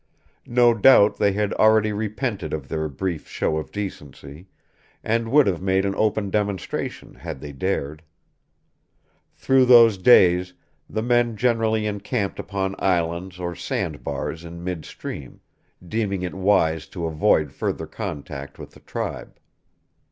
No doubt they had already repented of their brief show of decency, and would have made an open demonstration had they dared. Through those days the men generally encamped upon islands or sand bars in mid stream, deeming it wise to avoid further contact with the tribe.